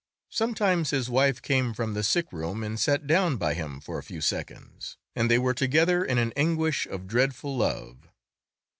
Sometimes his wife came from the sick room and sat down by him for a few seconds, and they were together in an anguish of dreadful love.